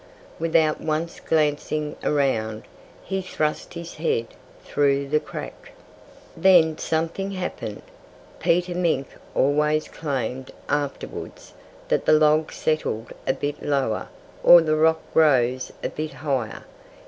Without once glancing around, he thrust his head through the crack. Then something happened. Peter Mink always claimed, afterwards, that the log settled a bit lower, or the rock rose a bit higher.